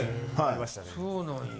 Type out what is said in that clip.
そうなんや。